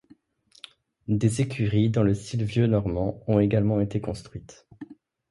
Des écuries, dans le style vieux-normand, ont également été construites.